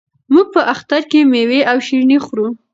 موږ په اختر کې مېوې او شیریني خورو.